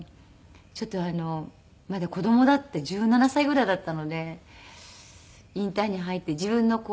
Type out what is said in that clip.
ちょっとまだ子供だって１７歳ぐらいだったのでインターンに入って自分のこう。